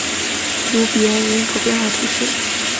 卢比安人口变化图示